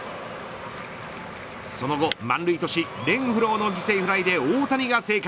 その後、満塁としレンフローの犠牲フライで大谷が生還。